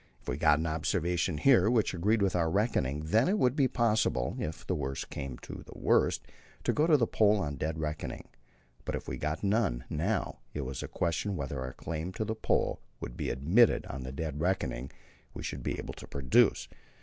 If we got an observation here which agreed with our reckoning, then it would be possible, if the worst came to the worst, to go to the Pole on dead reckoning; but if we got none now, it was a question whether our claim to the Pole would be admitted on the dead reckoning we should be able to produce.